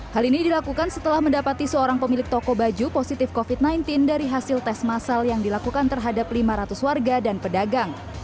hal ini dilakukan setelah mendapati seorang pemilik toko baju positif covid sembilan belas dari hasil tes masal yang dilakukan terhadap lima ratus warga dan pedagang